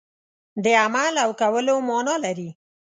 د عمل او کولو معنا لري.